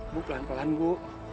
bu pelan pelan bu